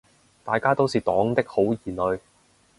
大家都是黨的好兒女